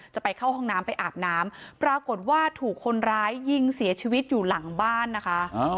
จะไปเข้าห้องน้ำไปอาบน้ำปรากฏว่าถูกคนร้ายยิงเสียชีวิตอยู่หลังบ้านนะคะ